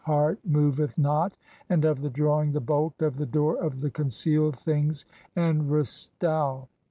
2 I "heart moveth not, 1 (20) and of the drawing the bolt of the "door of the concealed things in Re stau.